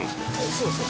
そうですよ。